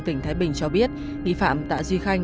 tỉnh thái bình cho biết nghi phạm tạ duy khanh